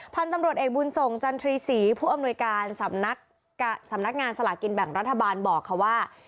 พันธุ์ตำรวจเอกบุญส่งจันทรีศรีผู้อำนวยการสำนักสำนักงานสลากินแบ่งรัฐบาลบอกค่ะว่า